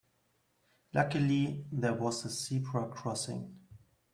Luckily there was a zebra crossing.